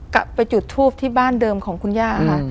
จุดทูปที่บ้านเดิมของคุณย่าค่ะ